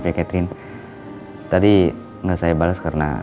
ayo cepet diangkat mbak catherine